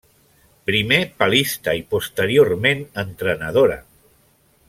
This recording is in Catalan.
Primer palista i posteriorment entrenadora.